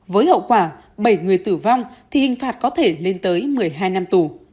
với hậu quả bảy người tử vong thì hình phạt có thể lên tới một mươi hai năm tù